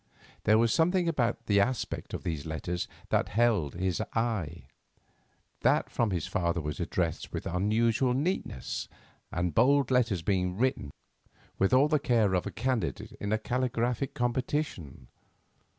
There was something about the aspect of these letters that held his eye. That from his father was addressed with unusual neatness, the bold letters being written with all the care of a candidate in a calligraphic competition.